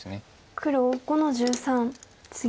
黒５の十三ツギ。